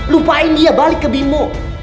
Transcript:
lupain dia balik ke bimo